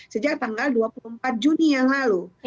sejak tanggal dua puluh empat juni yang lalu